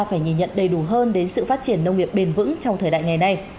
phải nhìn nhận đầy đủ hơn đến sự phát triển nông nghiệp bền vững trong thời đại ngày nay